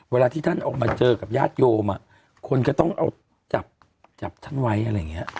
เวลาที่ท่านออกมาเจอกับญาติโยมคนก็ต้องเอาจับท่านไว้อะไรอย่างนี้